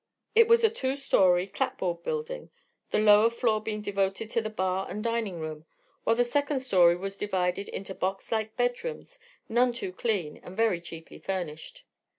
It was a two story, clapboarded building, the lower floor being devoted to the bar and dining room, while the second story was divided into box like bedrooms none too clean and very cheaply furnished.